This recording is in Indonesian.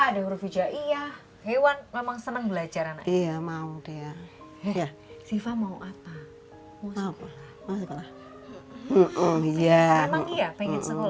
ada huruf hijaiyah hewan memang senang belajar ya mau dia siva mau apa mau ya pengen sekolah